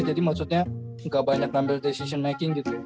jadi maksudnya gak banyak ngambil decision making gitu